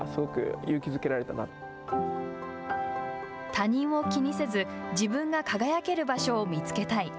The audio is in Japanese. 他人を気にせず自分が輝ける場所を見つけたい。